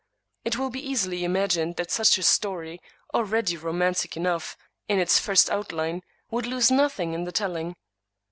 It will be easily imagined that such a story, already romantic enough in its first outline, would lose nothing in the telling.